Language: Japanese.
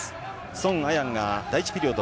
ソン・アナンが第１ピリオド